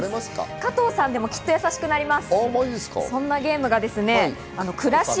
加藤さんでもきっとやさしくなれます。